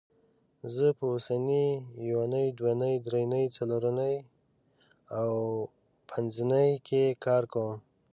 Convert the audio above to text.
زه په اونۍ یونۍ دونۍ درېنۍ څلورنۍ او پبنځنۍ کې کار کوم